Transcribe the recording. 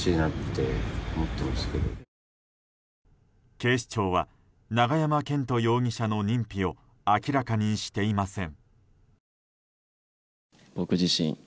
警視庁は永山絢斗容疑者の認否を明らかにしていません。